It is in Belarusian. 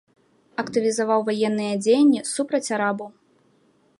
Актывізаваў ваенныя дзеянні супраць арабаў.